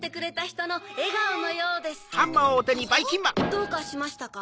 どうかしましたか？